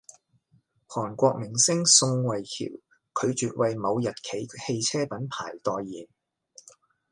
韓國明星宋慧喬拒絕爲某日企汽車品牌代言